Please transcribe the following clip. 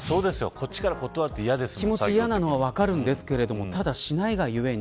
こっちから断るって嫌ですもん。